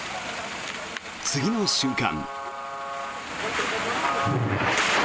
次の瞬間。